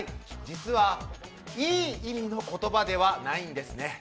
実は、いい意味の言葉ではないんですね。